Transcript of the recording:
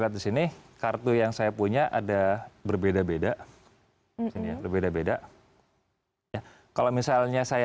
lihat di sini kartu yang saya punya ada berbeda beda beda beda kalau misalnya saya